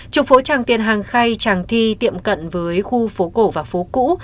trục phố trang tiền hàng khai trang thi tiệm cận với khu phố cổ và phố cũ